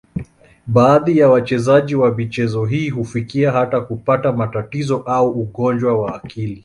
Baadhi ya wachezaji wa michezo hii hufikia hata kupata matatizo au ugonjwa wa akili.